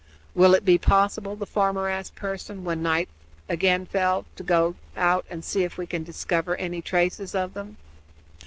"Will it be possible," the farmer asked Pearson, when night again fell, "to go out and see if we can discover any traces of them?"